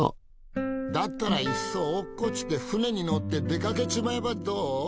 だったらいっそ落っこちて船に乗って出かけちまえばどう？